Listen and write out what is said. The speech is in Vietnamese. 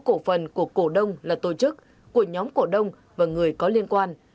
cổ phần của cổ đông là tổ chức của nhóm cổ đông và người có liên quan